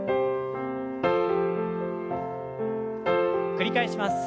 繰り返します。